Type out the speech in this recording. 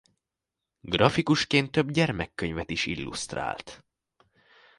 Grafikusként több gyermekkönyvet is illusztrált.